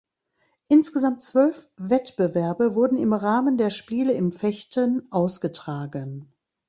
Insgesamt zwölf Wettbewerbe wurden im Rahmen der Spiele im Fechten ausgetragen.